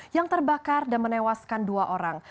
yang terbakar dan menewaskan dua orang